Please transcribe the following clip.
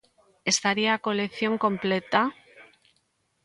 Estaría a colección completa?